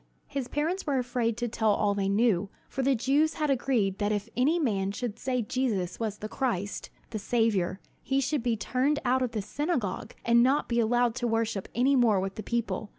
His parents were afraid to tell all they knew; for the Jews had agreed that if any man should say Jesus was the Christ, the Saviour, he should be turned out of the synagogue, and not be allowed to worship any more with the people.